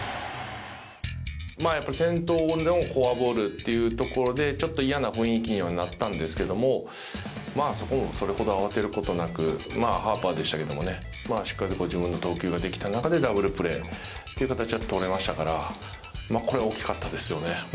先頭でのフォアボールというところでちょっと嫌な雰囲気にはなったんですけど、そこもそれほど慌てることなくハーパーでしたけどもしっかりと自分の投球ができた中でダブルプレーという形がとれましたから、これは大きかったなって思いますね。